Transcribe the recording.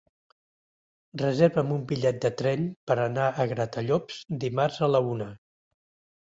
Reserva'm un bitllet de tren per anar a Gratallops dimarts a la una.